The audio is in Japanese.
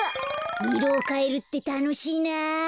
いろをかえるってたのしいな。